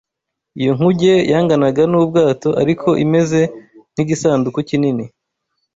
Iyo nkuge yanganaga n’ubwato ariko imeze nk’igisanduku kinini